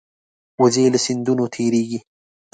وزې له سیندونو تېرېږي